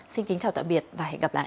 xin kính chào tạm biệt và hẹn gặp lại